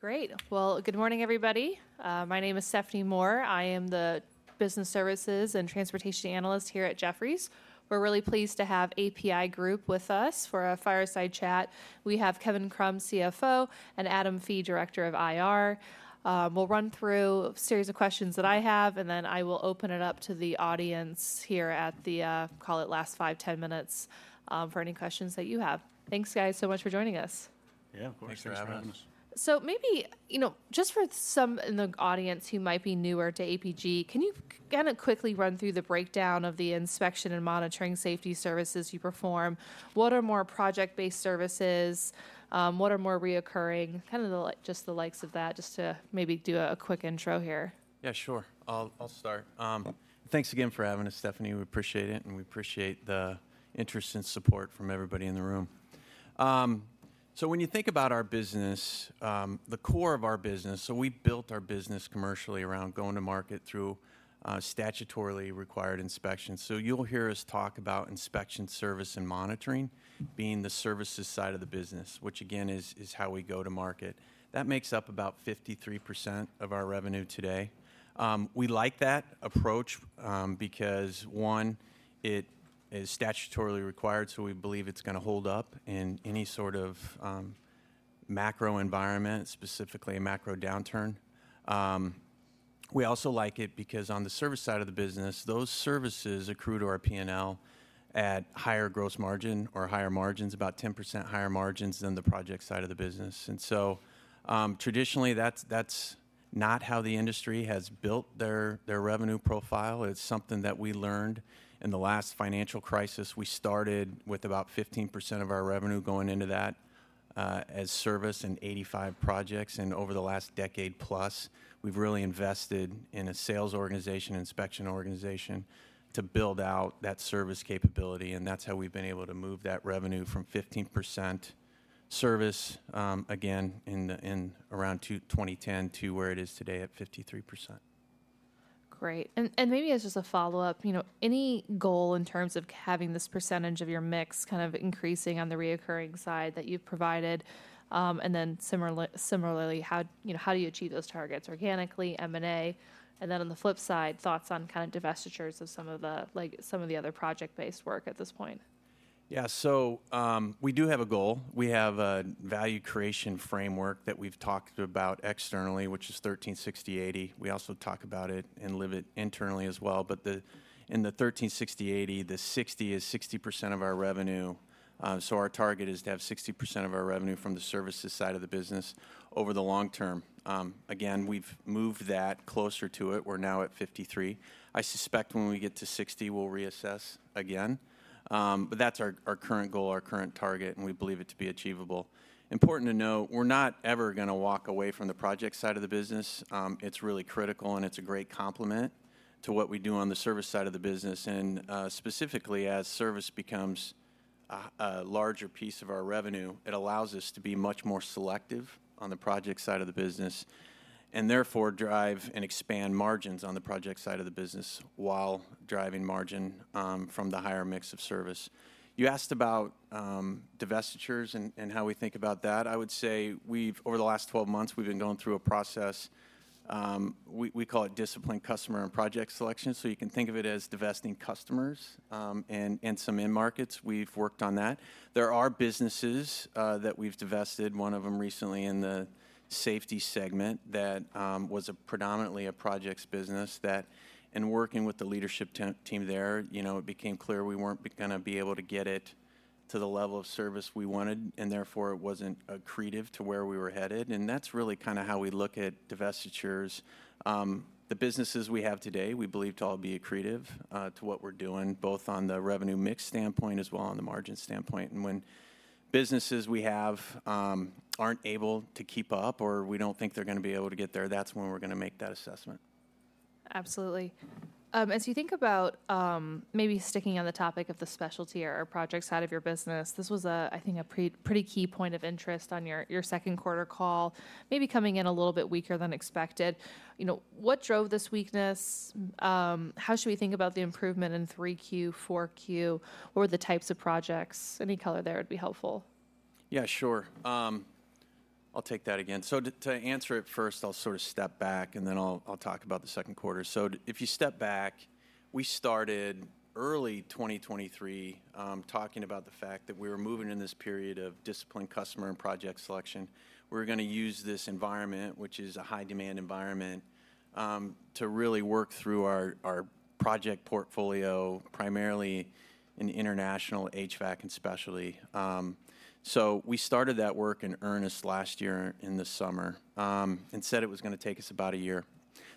Great! Well, good morning, everybody. My name is Stephanie Moore. I am the Business Services and Transportation Analyst here at Jefferies. We're really pleased to have APi Group with us for a fireside chat. We have Kevin Krumm, CFO, and Adam Fee, Director of IR. We'll run through a series of questions that I have, and then I will open it up to the audience here at the call it last five, 10 minutes for any questions that you have. Thanks, guys, so much for joining us. Yeah, of course. Thanks for having us. So maybe, you know, just for some in the audience who might be newer to APi, can you kinda quickly run through the breakdown of the inspection and monitoring safety services you perform? What are more project-based services, what are more recurring, kind of just the likes of that, just to maybe do a quick intro here. Yeah, sure. I'll start. Thanks again for having us, Stephanie. We appreciate it, and we appreciate the interest and support from everybody in the room, so when you think about our business, the core of our business, so we built our business commercially around going to market through statutorily required inspections, so you'll hear us talk about inspection, service, and monitoring being the services side of the business, which again is how we go to market. That makes up about 53% of our revenue today. We like that approach because, one, it is statutorily required, so we believe it's gonna hold up in any sort of macro environment, specifically a macro downturn. We also like it because on the service side of the business, those services accrue to our P&L at higher gross margin or higher margins, about 10% higher margins than the project side of the business. And so, traditionally, that's not how the industry has built their revenue profile. It's something that we learned in the last financial crisis. We started with about 15% of our revenue going into that as service and 85 projects, and over the last decade plus, we've really invested in a sales organization, inspection organization, to build out that service capability, and that's how we've been able to move that revenue from 15% service, again, around 2010, to where it is today at 53%. Great. And maybe as just a follow-up, you know, any goal in terms of having this percentage of your mix kind of increasing on the recurring side that you've provided? And then similarly, how do you achieve those targets organically, M&A? And then on the flip side, thoughts on kind of divestitures of some of the, like, some of the other project-based work at this point. Yeah. So, we do have a goal. We have a value creation framework that we've talked about externally, which is 13, 60, 80. We also talk about it and live it internally as well. But in the 13, 60, 80, the 60 is 60% of our revenue. So our target is to have 60% of our revenue from the services side of the business over the long term. Again, we've moved that closer to it. We're now at 53%. I suspect when we get to 60, we'll reassess again. But that's our current goal, our current target, and we believe it to be achievable. Important to note, we're not ever gonna walk away from the project side of the business. It's really critical, and it's a great complement to what we do on the service side of the business, and specifically, as service becomes a larger piece of our revenue, it allows us to be much more selective on the project side of the business, and therefore, drive and expand margins on the project side of the business, while driving margin from the higher mix of service. You asked about divestitures and how we think about that. I would say, over the last twelve months, we've been going through a process we call disciplined customer and project selection, so you can think of it as divesting customers and some end markets. We've worked on that. There are businesses that we've divested, one of them recently in the safety segment, that was a predominantly projects business, that in working with the leadership team there, you know, it became clear we weren't gonna be able to get it to the level of service we wanted, and therefore, it wasn't accretive to where we were headed, and that's really kinda how we look at divestitures. The businesses we have today, we believe to all be accretive to what we're doing, both on the revenue mix standpoint as well on the margin standpoint, and when businesses we have aren't able to keep up or we don't think they're gonna be able to get there, that's when we're gonna make that assessment. Absolutely. As you think about, maybe sticking on the topic of the specialty or project side of your business, this was, I think, a pretty key point of interest on your second quarter call, maybe coming in a little bit weaker than expected. You know, what drove this weakness? How should we think about the improvement in 3Q, 4Q, or the types of projects? Any color there would be helpful. Yeah, sure. I'll take that again. So to answer it first, I'll sort of step back, and then I'll talk about the second quarter. So if you step back, we started early 2023, talking about the fact that we were moving in this period of disciplined customer and project selection. We're gonna use this environment, which is a high-demand environment, to really work through our project portfolio, primarily in international HVAC and specialty. So we started that work in earnest last year in the summer, and said it was gonna take us about a year.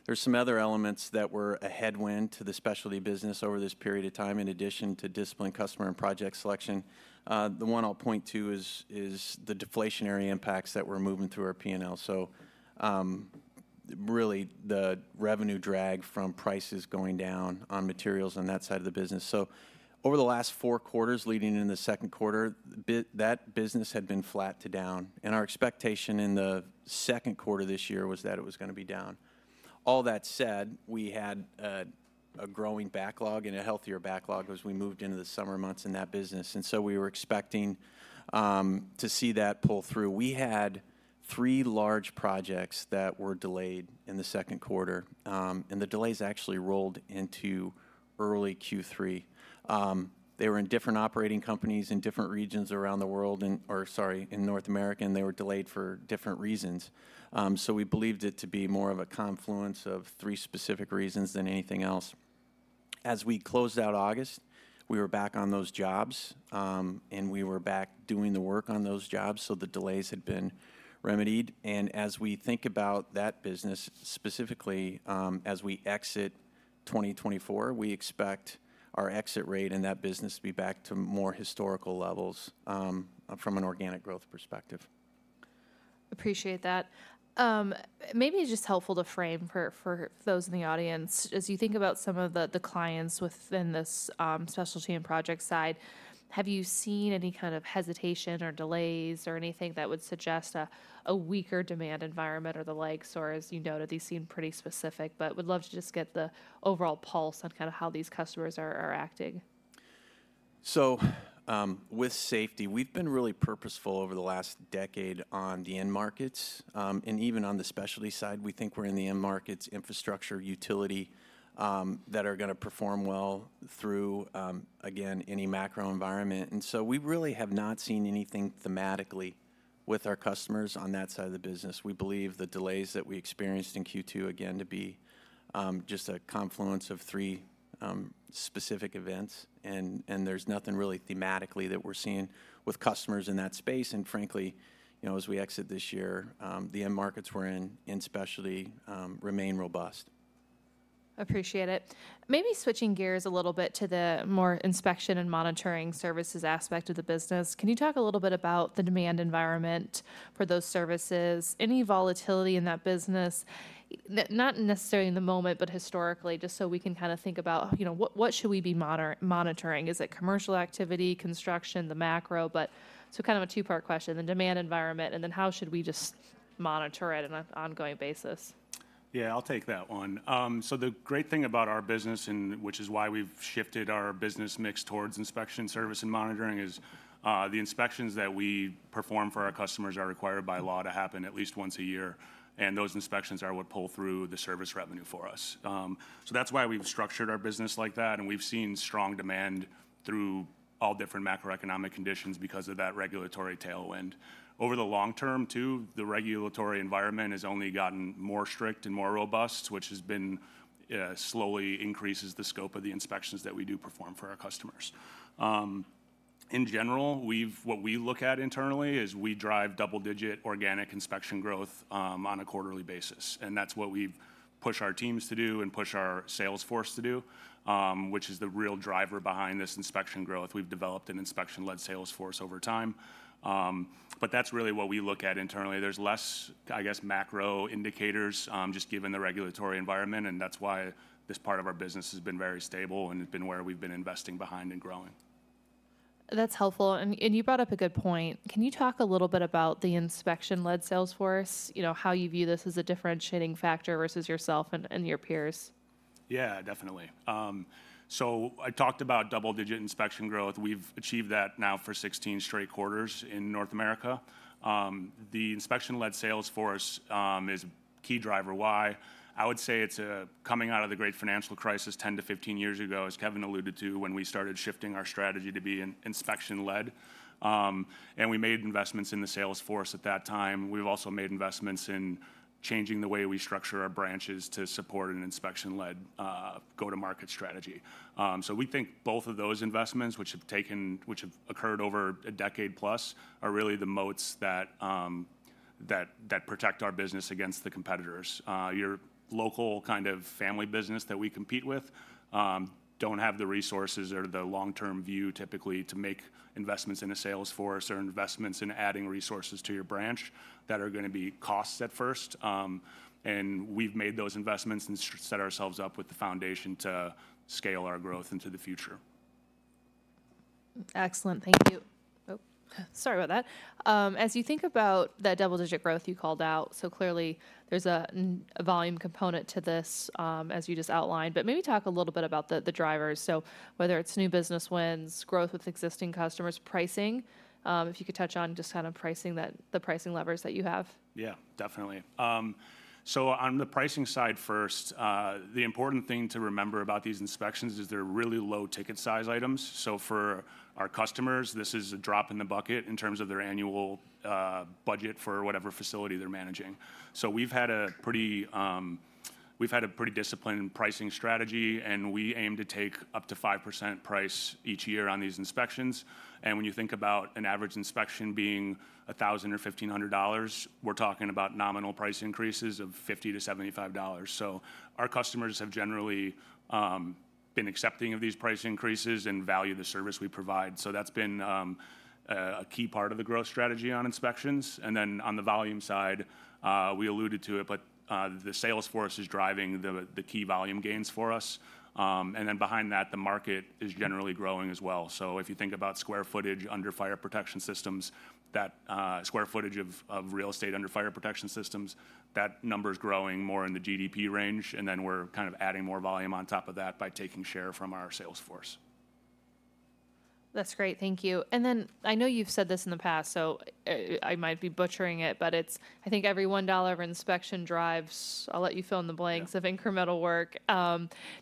There's some other elements that were a headwind to the specialty business over this period of time, in addition to disciplined customer and project selection. The one I'll point to is the deflationary impacts that we're moving through our P&L. So, really, the revenue drag from prices going down on materials on that side of the business. So over the last four quarters, leading into the second quarter, that business had been flat to down, and our expectation in the second quarter this year was that it was gonna be down. All that said, we had a growing backlog and a healthier backlog as we moved into the summer months in that business, and so we were expecting to see that pull through. We had three large projects that were delayed in the second quarter, and the delays actually rolled into early Q3. They were in different operating companies in different regions around the world, in North America, and they were delayed for different reasons. So we believed it to be more of a confluence of three specific reasons than anything else. As we closed out August, we were back on those jobs, and we were back doing the work on those jobs, so the delays had been remedied. And as we think about that business, specifically, as we exit twenty twenty-four, we expect our exit rate in that business to be back to more historical levels, from an organic growth perspective. Appreciate that. Maybe it's just helpful to frame for those in the audience, as you think about some of the clients within this specialty and project side, have you seen any kind of hesitation or delays or anything that would suggest a weaker demand environment or the likes? Or as you noted, these seem pretty specific, but would love to just get the overall pulse on kind of how these customers are acting. So, with safety, we've been really purposeful over the last decade on the end markets. And even on the specialty side, we think we're in the end markets, infrastructure, utility, that are gonna perform well through, again, any macro environment. And so we really have not seen anything thematically with our customers on that side of the business. We believe the delays that we experienced in Q2, again, to be just a confluence of three specific events, and there's nothing really thematically that we're seeing with customers in that space. And frankly, you know, as we exit this year, the end markets we're in, in specialty, remain robust. Appreciate it. Maybe switching gears a little bit to the more inspection and monitoring services aspect of the business, can you talk a little bit about the demand environment for those services? Any volatility in that business, not necessarily in the moment, but historically, just so we can kind of think about, you know, what should we be monitoring? Is it commercial activity, construction, the macro? But so kind of a two-part question, the demand environment, and then how should we just monitor it on an ongoing basis? Yeah, I'll take that one. So the great thing about our business, and which is why we've shifted our business mix towards inspection service and monitoring, is the inspections that we perform for our customers are required by law to happen at least once a year, and those inspections are what pull through the service revenue for us. So that's why we've structured our business like that, and we've seen strong demand through all different macroeconomic conditions because of that regulatory tailwind. Over the long term, too, the regulatory environment has only gotten more strict and more robust, which has been slowly increases the scope of the inspections that we do perform for our customers. In general, what we look at internally is we drive double-digit organic inspection growth, on a quarterly basis, and that's what we push our teams to do and push our sales force to do, which is the real driver behind this inspection growth. We've developed an inspection-led sales force over time. But that's really what we look at internally. There's less, I guess, macro indicators, just given the regulatory environment, and that's why this part of our business has been very stable and has been where we've been investing behind and growing. That's helpful, and you brought up a good point. Can you talk a little bit about the inspection-led sales force? You know, how you view this as a differentiating factor versus yourself and your peers. Yeah, definitely. So I talked about double-digit inspection growth. We've achieved that now for 16 straight quarters in North America. The inspection-led sales force is a key driver why. I would say it's coming out of the Great Financial Crisis 10-15 years ago, as Kevin alluded to, when we started shifting our strategy to be inspection-led. And we made investments in the sales force at that time. We've also made investments in changing the way we structure our branches to support an inspection-led go-to-market strategy. So we think both of those investments, which have occurred over a decade plus, are really the moats that protect our business against the competitors. Your local kind of family business that we compete with don't have the resources or the long-term view typically to make investments in a sales force or investments in adding resources to your branch that are gonna be costs at first. And we've made those investments and set ourselves up with the foundation to scale our growth into the future. Excellent. Thank you. Oh, sorry about that. As you think about that double-digit growth you called out, so clearly there's a volume component to this, as you just outlined, but maybe talk a little bit about the drivers. So whether it's new business wins, growth with existing customers, pricing, if you could touch on just kind of pricing that, the pricing levers that you have. Yeah, definitely, so on the pricing side first, the important thing to remember about these inspections is they're really low ticket size items, so for our customers, this is a drop in the bucket in terms of their annual budget for whatever facility they're managing, so we've had a pretty disciplined pricing strategy, and we aim to take up to 5% price each year on these inspections, and when you think about an average inspection being $1,000 or $1,500 dollars, we're talking about nominal price increases of $50-$75, so our customers have generally been accepting of these price increases and value the service we provide, so that's been a key part of the growth strategy on inspections. And then on the volume side, we alluded to it, but the sales force is driving the key volume gains for us. And then behind that, the market is generally growing as well. So if you think about square footage under fire protection systems, that square footage of real estate under fire protection systems, that number is growing more in the GDP range, and then we're kind of adding more volume on top of that by taking share from our sales force. ... That's great, thank you. And then I know you've said this in the past, so, I might be butchering it, but it's, I think every one dollar of inspection drives... I'll let you fill in the blanks- Yeah -of incremental work.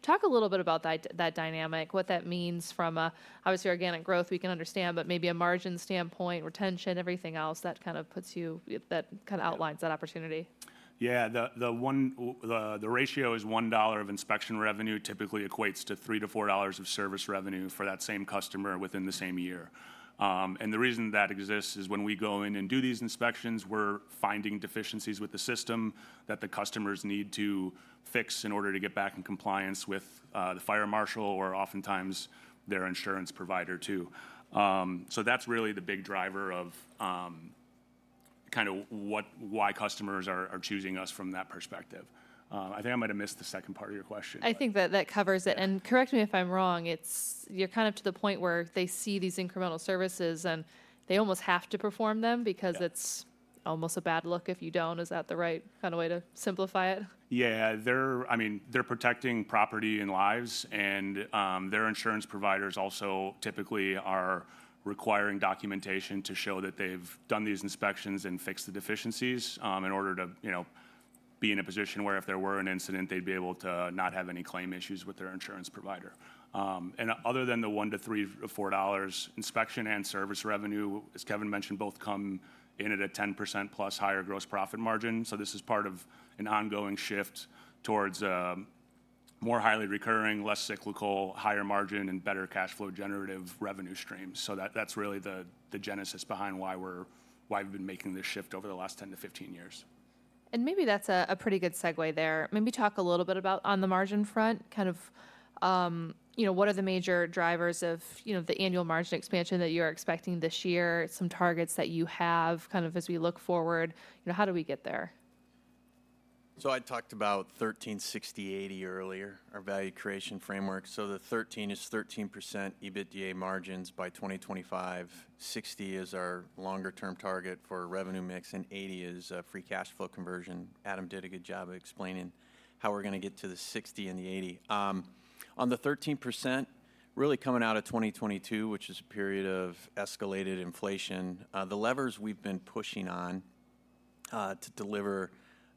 Talk a little bit about that, that dynamic, what that means from a, obviously, organic growth we can understand, but maybe a margin standpoint, retention, everything else that kind of puts you, that kind of outlines that opportunity. Yeah, the ratio is $1 of inspection revenue typically equates to $3-$4 of service revenue for that same customer within the same year. And the reason that exists is when we go in and do these inspections, we're finding deficiencies with the system that the customers need to fix in order to get back in compliance with the fire marshal or oftentimes their insurance provider, too. So that's really the big driver of kind of what—why customers are choosing us from that perspective. I think I might have missed the second part of your question. I think that that covers it. And correct me if I'm wrong, it's-- you're kind of to the point where they see these incremental services, and they almost have to perform them- Yeah Because it's almost a bad look if you don't. Is that the right kind of way to simplify it? Yeah. They're. I mean, they're protecting property and lives, and, their insurance providers also typically are requiring documentation to show that they've done these inspections and fixed the deficiencies, in order to, you know, be in a position where if there were an incident, they'd be able to not have any claim issues with their insurance provider. And other than the $1-$3 or $4, inspection and service revenue, as Kevin mentioned, both come in at a 10% plus higher gross profit margin. So this is part of an ongoing shift towards, more highly recurring, less cyclical, higher margin, and better cash flow generative revenue streams. So that's really the genesis behind why we've been making this shift over the last 10 to 15 years. Maybe that's a pretty good segue there. Maybe talk a little bit about on the margin front, kind of, you know, what are the major drivers of, you know, the annual margin expansion that you're expecting this year, some targets that you have, kind of as we look forward, you know, how do we get there? So I talked about 13/60/80 earlier, our value creation framework. So the 13 is 13% EBITDA margins by 2025, 60 is our longer-term target for revenue mix, and 80 is free cash flow conversion. Adam did a good job of explaining how we're gonna get to the 60 and the 80. On the 13%, really coming out of 2022, which is a period of escalated inflation, the levers we've been pushing on to deliver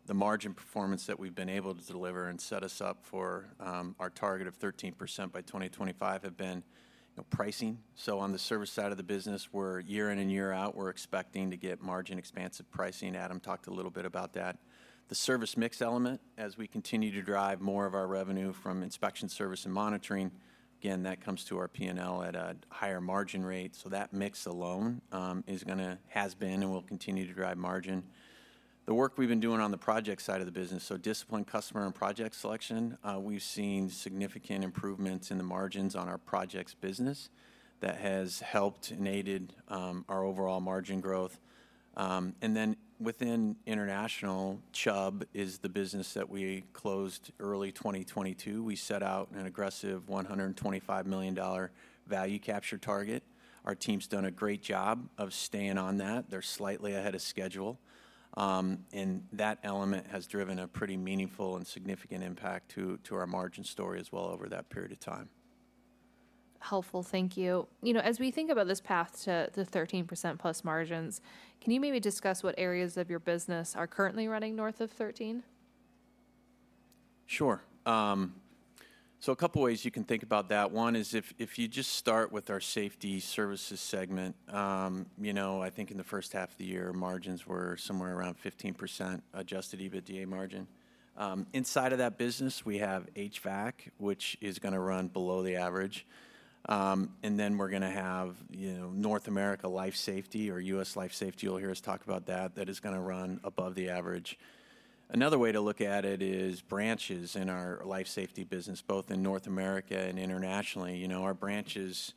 the margin performance that we've been able to deliver and set us up for our target of 13% by 2025 have been, you know, pricing. So on the service side of the business, we're year in and year out, we're expecting to get margin expansive pricing. Adam talked a little bit about that. The service mix element, as we continue to drive more of our revenue from inspection, service, and monitoring, again, that comes to our P&L at a higher margin rate. So that mix alone has been and will continue to drive margin. The work we've been doing on the project side of the business, so disciplined customer and project selection, we've seen significant improvements in the margins on our projects business. That has helped and aided our overall margin growth, and then within international, Chubb is the business that we closed early 2022. We set out an aggressive $125 million value capture target. Our team's done a great job of staying on that. They're slightly ahead of schedule, and that element has driven a pretty meaningful and significant impact to our margin story as well over that period of time. Helpful. Thank you. You know, as we think about this path to the 13% plus margins, can you maybe discuss what areas of your business are currently running north of 13? Sure. So a couple ways you can think about that. One is if, if you just start with our safety services segment, you know, I think in the first half of the year, margins were somewhere around 15% Adjusted EBITDA margin. Inside of that business, we have HVAC, which is gonna run below the average. And then we're gonna have, you know, North America Life Safety or US Life Safety, you'll hear us talk about that, that is gonna run above the average. Another way to look at it is branches in our Life Safety business, both in North America and internationally. You know, our branches,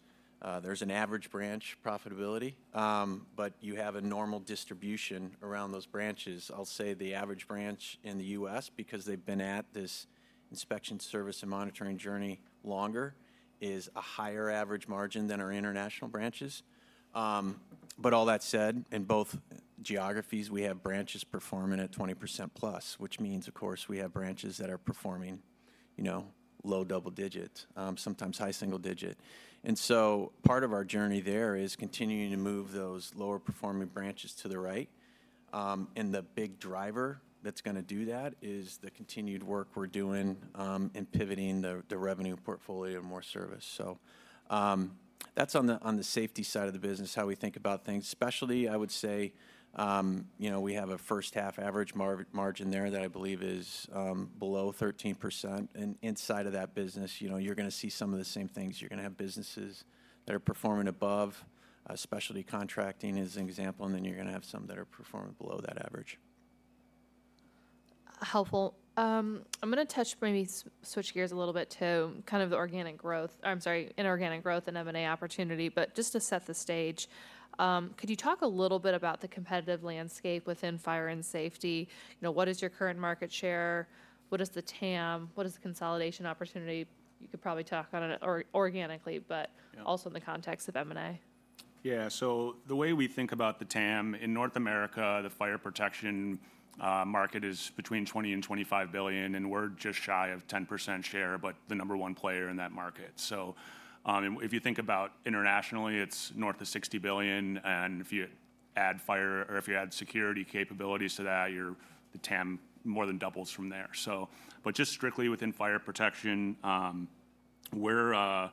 there's an average branch profitability, but you have a normal distribution around those branches. I'll say the average branch in the US, because they've been at this inspection, service, and monitoring journey longer, is a higher average margin than our international branches, but all that said, in both geographies, we have branches performing at 20% plus, which means, of course, we have branches that are performing, you know, low double digits, sometimes high single digit, and so part of our journey there is continuing to move those lower-performing branches to the right, and the big driver that's gonna do that is the continued work we're doing in pivoting the revenue portfolio more service, so that's on the safety side of the business, how we think about things. Specialty, I would say, you know, we have a first-half average margin there that I believe is below 13%. And inside of that business, you know, you're gonna see some of the same things. You're gonna have businesses that are performing above, specialty contracting is an example, and then you're gonna have some that are performing below that average. Helpful. I'm gonna touch, maybe switch gears a little bit to kind of the organic growth or I'm sorry, inorganic growth and M&A opportunity. But just to set the stage, could you talk a little bit about the competitive landscape within fire and safety? You know, what is your current market share? What is the TAM? What is the consolidation opportunity? You could probably talk on it or organically- Yeah... but also in the context of M&A.... Yeah, so the way we think about the TAM, in North America, the fire protection market is between $20 and $25 billion, and we're just shy of 10% share, but the number one player in that market. So, if you think about internationally, it's north of $60 billion, and if you add security capabilities to that, your TAM more than doubles from there. So, but just strictly within fire protection, we're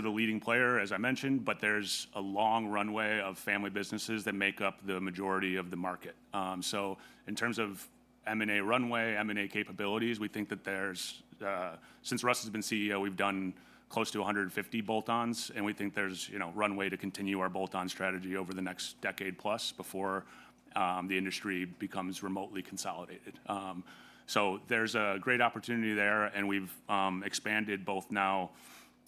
the leading player, as I mentioned, but there's a long runway of family businesses that make up the majority of the market. So in terms of M&A runway, M&A capabilities, we think that there's, since Russ has been CEO, we've done close to 150 bolt-ons, and we think there's, you know, runway to continue our bolt-on strategy over the next decade-plus before the industry becomes remotely consolidated. So there's a great opportunity there, and we've expanded both now.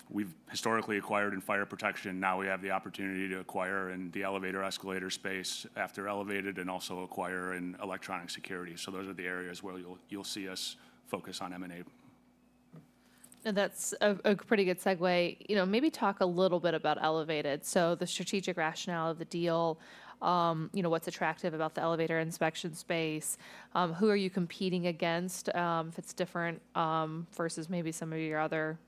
We've historically acquired in fire protection. Now we have the opportunity to acquire in the elevator/escalator space after Elevated and also acquire in electronic security. So those are the areas where you'll see us focus on M&A. And that's a pretty good segue. You know, maybe talk a little bit about Elevated. So the strategic rationale of the deal, you know, what's attractive about the elevator inspection space? Who are you competing against, if it's different, versus maybe some of your other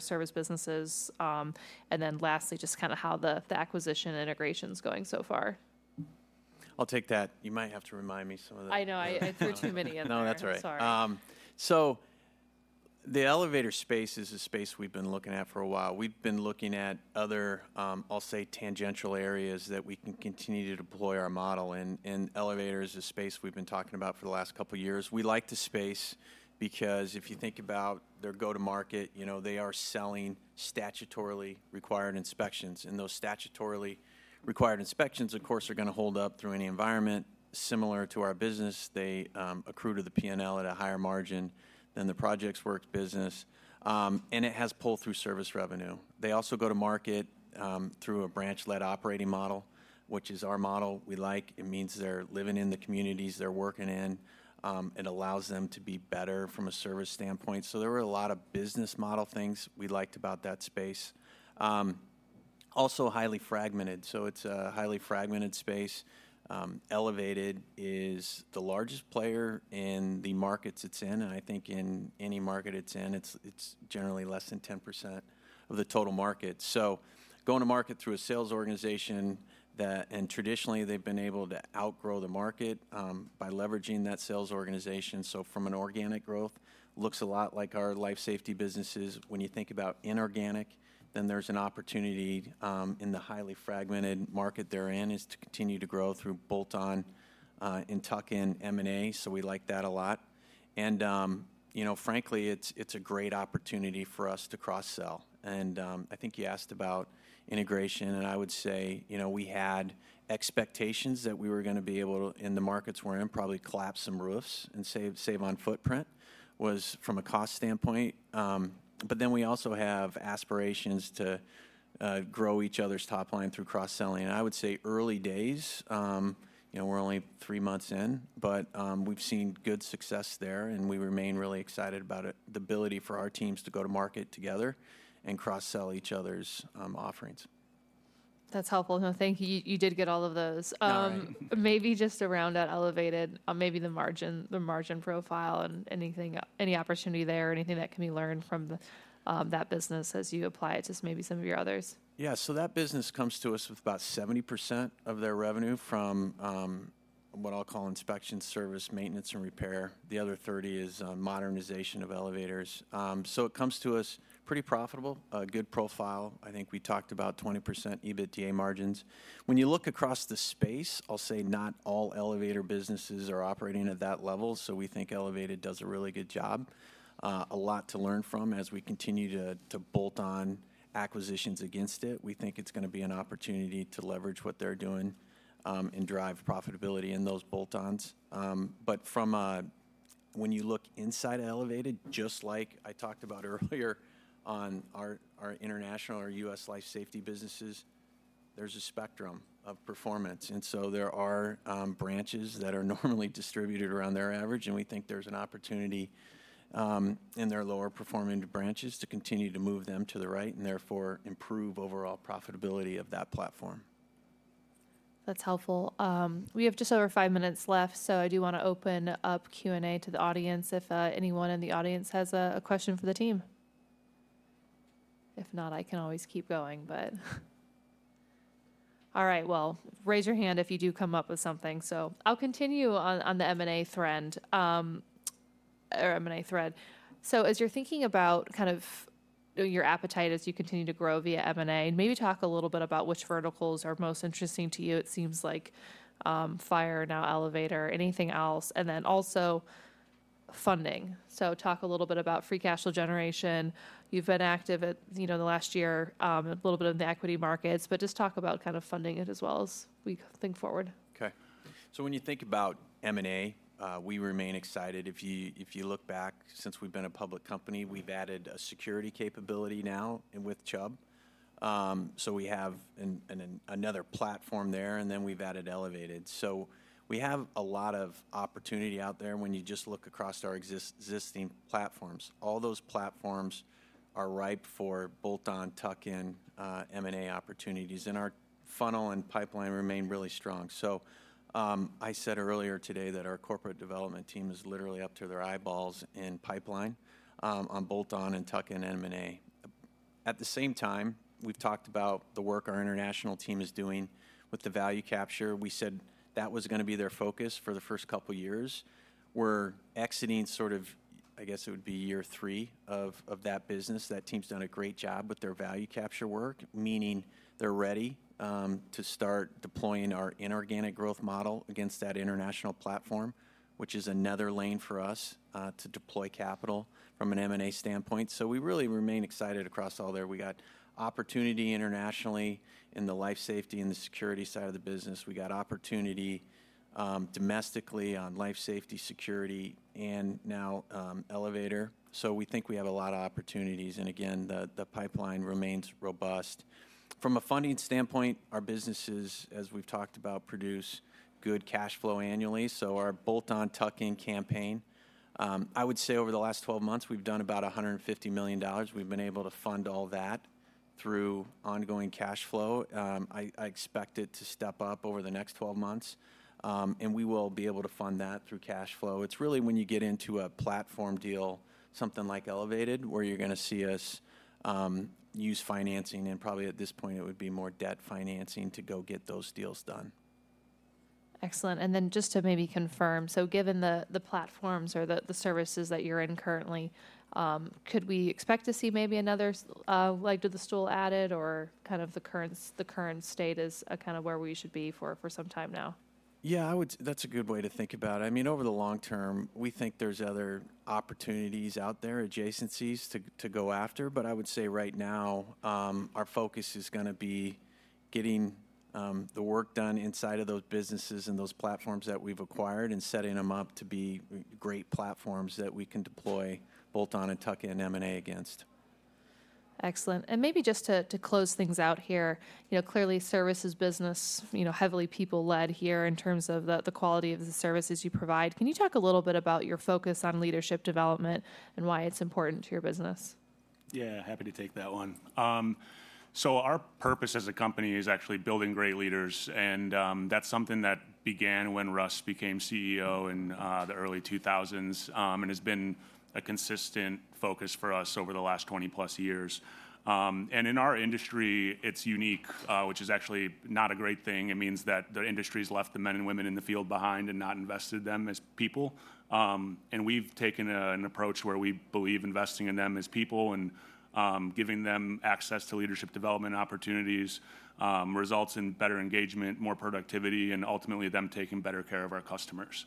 service businesses? And then lastly, just kinda how the acquisition integration's going so far. I'll take that. You might have to remind me some of the- I know, there are too many in there. No, that's all right. Sorry. So the elevator space is a space we've been looking at for a while. We've been looking at other, I'll say, tangential areas that we can continue to deploy our model and, and elevator is a space we've been talking about for the last couple of years. We like the space because if you think about their go-to-market, you know, they are selling statutorily required inspections, and those statutorily required inspections, of course, are gonna hold up through any environment. Similar to our business, they accrue to the P&L at a higher margin than the projects works business, and it has pull-through service revenue. They also go to market through a branch-led operating model, which is our model we like. It means they're living in the communities they're working in. It allows them to be better from a service standpoint. So there were a lot of business model things we liked about that space. Also highly fragmented, so it's a highly fragmented space. Elevated is the largest player in the markets it's in, and I think in any market it's in, it's generally less than 10% of the total market. So going to market through a sales organization that, and traditionally, they've been able to outgrow the market by leveraging that sales organization. So from an organic growth, looks a lot like our life safety businesses. When you think about inorganic, then there's an opportunity in the highly fragmented market they're in to continue to grow through bolt-on and tuck-in M&A. So we like that a lot. And you know, frankly, it's a great opportunity for us to cross-sell. I think you asked about integration, and I would say, you know, we had expectations that we were gonna be able to, in the markets we're in, probably collapse some roofs and save on footprint, was from a cost standpoint, but then we also have aspirations to grow each other's top line through cross-selling. I would say early days, you know, we're only three months in, but we've seen good success there, and we remain really excited about it, the ability for our teams to go to market together and cross-sell each other's offerings. That's helpful. No, thank you. You, you did get all of those. No, I- Maybe just around that Elevated, maybe the margin, the margin profile and anything, any opportunity there, anything that can be learned from that business as you apply it to maybe some of your others. Yeah, so that business comes to us with about 70% of their revenue from what I'll call inspection, service, maintenance, and repair. The other 30% is modernization of elevators, so it comes to us pretty profitable, a good profile. I think we talked about 20% EBITDA margins. When you look across the space, I'll say not all elevator businesses are operating at that level, so we think Elevated does a really good job. A lot to learn from as we continue to bolt-on acquisitions against it. We think it's gonna be an opportunity to leverage what they're doing and drive profitability in those bolt-ons. But from a, when you look inside Elevated, just like I talked about earlier on our international, our US Life Safety businesses, there's a spectrum of performance, and so there are branches that are normally distributed around their average, and we think there's an opportunity in their lower-performing branches to continue to move them to the right and therefore improve overall profitability of that platform. That's helpful. We have just over five minutes left, so I do wanna open up Q&A to the audience, if anyone in the audience has a question for the team. If not, I can always keep going, but... All right, well, raise your hand if you do come up with something. So I'll continue on the M&A thread, or M&A thread. So as you're thinking about kind of your appetite as you continue to grow via M&A, and maybe talk a little bit about which verticals are most interesting to you. It seems like fire, now elevator, anything else? And then also funding. So talk a little bit about free cash flow generation. You've been active at, you know, the last year, a little bit in the equity markets, but just talk about kind of funding it as well as we think forward. Okay. So when you think about M&A, we remain excited. If you look back, since we've been a public company, we've added a security capability now with Chubb. So we have another platform there, and then we've added Elevated. So we have a lot of opportunity out there when you just look across our existing platforms. All those platforms are ripe for bolt-on, tuck-in M&A opportunities, and our funnel and pipeline remain really strong. So I said earlier today that our corporate development team is literally up to their eyeballs in pipeline on bolt-on and tuck-in M&A. At the same time, we've talked about the work our international team is doing with the value capture. We said that was gonna be their focus for the first couple years. We're exiting sort of, I guess it would be year three of that business. That team's done a great job with their value capture work, meaning they're ready to start deploying our inorganic growth model against that international platform, which is another lane for us to deploy capital from an M&A standpoint. So we really remain excited across all there. We got opportunity internationally in the life safety and the security side of the business. We got opportunity domestically on life safety, security, and now elevator. So we think we have a lot of opportunities, and again, the pipeline remains robust. From a funding standpoint, our businesses, as we've talked about, produce good cash flow annually, so our bolt-on tuck-in campaign, I would say over the last twelve months, we've done about $150 million. We've been able to fund all that through ongoing cash flow. I expect it to step up over the next twelve months, and we will be able to fund that through cash flow. It's really when you get into a platform deal, something like Elevated, where you're gonna see us use financing, and probably at this point it would be more debt financing to go get those deals done. Excellent. And then just to maybe confirm, so given the platforms or the services that you're in currently, could we expect to see maybe another leg to the stool added, or kind of the current state is kind of where we should be for some time now? Yeah. That's a good way to think about it. I mean, over the long term, we think there's other opportunities out there, adjacencies to go after. But I would say right now, our focus is gonna be getting the work done inside of those businesses and those platforms that we've acquired and setting them up to be great platforms that we can deploy, bolt-on and tuck-in M&A against. Excellent. And maybe just to close things out here, you know, clearly services business, you know, heavily people-led here in terms of the quality of the services you provide. Can you talk a little bit about your focus on leadership development and why it's important to your business? Yeah, happy to take that one, so our purpose as a company is actually building great leaders, and that's something that began when Russ became CEO in the early 2000s, and has been a consistent focus for us over the last twenty-plus years. In our industry, it's unique, which is actually not a great thing. It means that the industry's left the men and women in the field behind and not invested in them as people. We've taken an approach where we believe investing in them as people and giving them access to leadership development opportunities results in better engagement, more productivity, and ultimately them taking better care of our customers.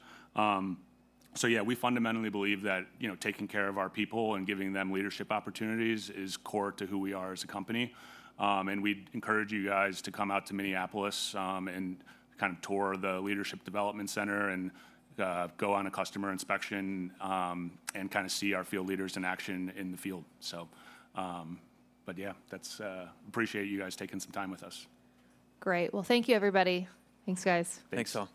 So yeah, we fundamentally believe that, you know, taking care of our people and giving them leadership opportunities is core to who we are as a company, and we'd encourage you guys to come out to Minneapolis and kind of tour the leadership development center and go on a customer inspection and kinda see our field leaders in action in the field. So, but yeah, that's... Appreciate you guys taking some time with us. Great. Well, thank you, everybody. Thanks, guys. Thanks. Thanks, all.